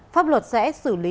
pháp luật sẽ xử lý